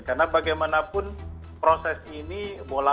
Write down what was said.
karena bagaimanapun proses ini bolak balik